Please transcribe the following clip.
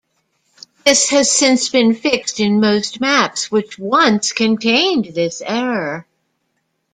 This has since been fixed in most maps which once contained this error.